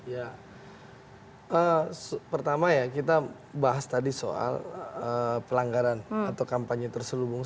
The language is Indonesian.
ya pertama ya kita bahas tadi soal pelanggaran atau kampanye terselubung